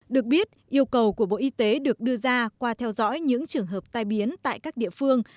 được biết yêu cầu của bộ y tế được đưa ra qua theo dõi những trường hợp tai biến tại các địa phương